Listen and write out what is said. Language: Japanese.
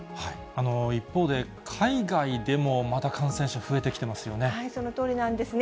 一方で海外でもまた感染者、そのとおりなんですね。